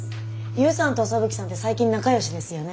勇さんと麻吹さんって最近仲よしですよね。